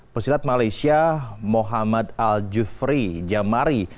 pesilat malaysia muhammad al jufri jamari